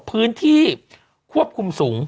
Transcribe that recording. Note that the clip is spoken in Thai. พื้นที่ควบคุมสูง